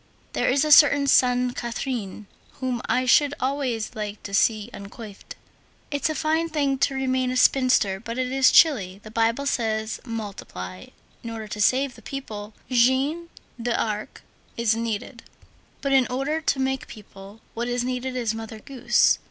There is a certain Sainte Catherine whom I should always like to see uncoiffed.62 It's a fine thing to remain a spinster, but it is chilly. The Bible says: Multiply. In order to save the people, Jeanne d'Arc is needed; but in order to make people, what is needed is Mother Goose.